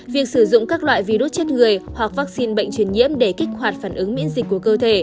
việc sử dụng các loại virus chết người hoặc vaccine bệnh truyền nhiễm để kích hoạt phản ứng miễn dịch của cơ thể